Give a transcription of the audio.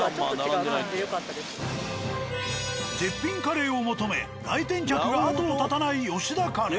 絶品カレーを求め来店客が後を絶たない「吉田カレー」。